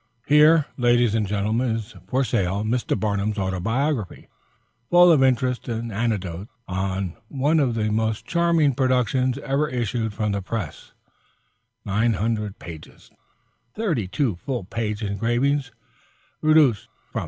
"Here, ladies and gentlemen, is for sale Mr. Barnum's Autobiography, full of interest and anecdote, one of the most charming productions ever issued from the press, 900 pages, thirty two full page engravings, reduced from $3.